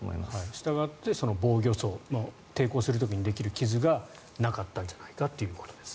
したがって防御創抵抗する時にできる傷がなかったんじゃないかということです。